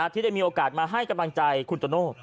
ที่ได้มีโอกาสมาให้กำลังใจคุณโตโน่